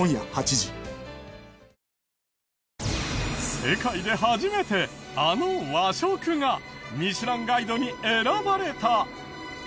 世界で初めてあの和食が『ミシュランガイド』に選ばれた！